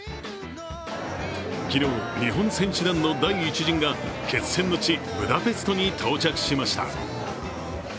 昨日、日本選手団の第１陣が決戦の地ブダペストに到着しました。